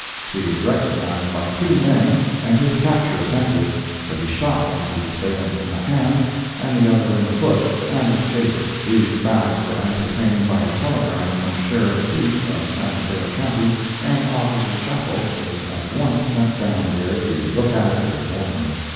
He was recognized by two men, and his capture attempted, but he shot one of his assailants in the hand, and the other in the foot, and escaped. These facts were ascertained by a telegram from Sheriff Keith, of San Mateo county, and Officer Chappel was at once sent down there to look after Mortimer.